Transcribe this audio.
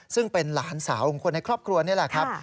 ซึ่งเป็นหลานสาวของคนในครอบครัวนี่แหละครับ